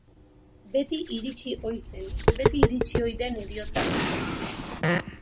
Beti iritsi ohi zen, beti iritsi ohi den heriotza bezala.